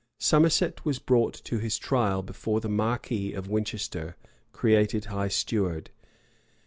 Somerset was brought to his trial before the marquis of Winchester, created high steward.